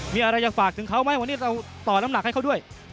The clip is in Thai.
มีอะไรจะฝากถึงเขาไหมวันนี้เราต่อน้ำหนักให้เขาด้วย